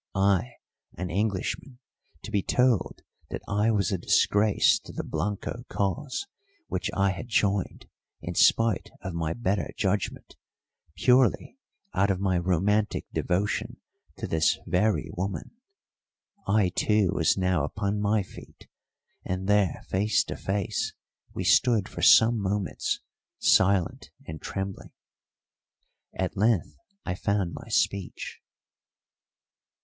I, an Englishman, to be told that I was a disgrace to the Blanco cause, which I had joined, in spite of my better judgment, purely out of my romantic devotion to this very woman! I too was now upon my feet, and there face to face we stood for some moments, silent and trembling. At length I found my speech.